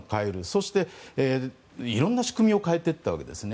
そしていろんな仕組みを変えていったわけですね。